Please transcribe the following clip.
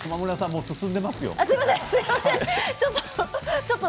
もう進んでいますよ。